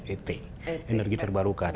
et energi terbarukan